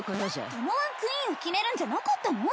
友１クイーンを決めるんじゃなかったの？